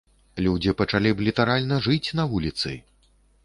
Людзі пачалі б літаральна жыць на вуліцы.